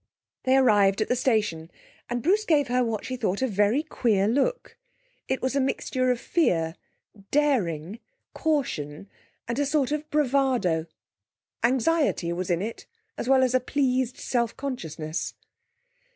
They arrived at the station, and Bruce gave her what she thought a very queer look. It was a mixture of fear, daring, caution and a sort of bravado. Anxiety was in it, as well as a pleased self consciousness.